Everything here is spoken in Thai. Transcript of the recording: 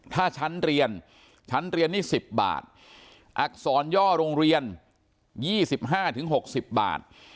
ถ้าชั้นเรียนชั้นเรียนนี่๑๐บาทอักษรย่อโรงเรียน๒๕๖๐บาท